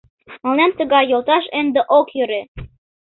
Мыланем тыгай йолташ ынде ок йӧрӧ...